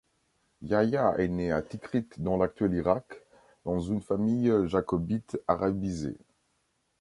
Yahya est né à Tikrit dans l'actuel Irak, dans une famille jacobite arabisée.